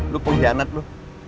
lu pengkhianat lu